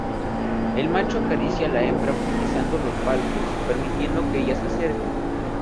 El macho acaricia a la hembra utilizando los palpos permitiendo que ella se acerque.